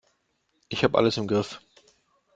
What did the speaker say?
Ich habe alles im Griff.